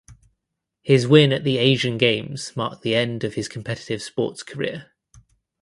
His win at the Asian Games marked the end of his competitive sports career.